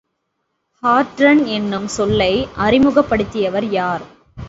ஹாட்ரன் என்னும் சொல்லை அறிமுகப்படுத்தியவர் யார்?